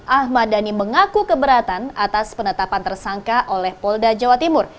ahmad dhani mengaku keberatan atas penetapan tersangka oleh polda jawa timur